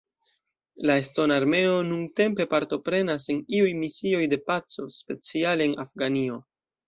La Estona Armeo nuntempe partoprenas en iuj misioj de paco, speciale en Afganio.